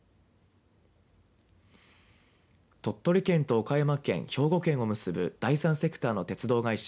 鳥取県と岡山県、兵庫県を結ぶ第３セクターの鉄道会社